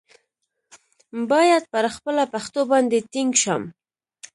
باید پر خپله پښتو باندې ټینګ شم.